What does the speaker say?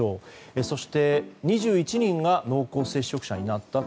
そして、２１人が濃厚接触者になったと。